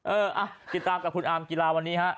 เออให้ตามกับคุณอารมณ์กีฬาวันนี้ฮะ